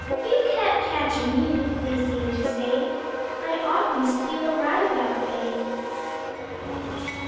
"You can't catch me!" they seem to say I often steal a ride that way.